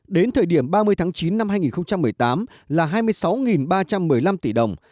đến thời điểm ba mươi tháng chín năm hai nghìn một mươi tám là hai mươi sáu ba trăm một mươi năm tỷ đồng